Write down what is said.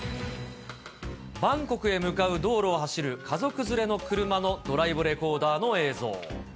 バンコクへ向かう道路を走る家族連れの車のドライブレコーダーの映像。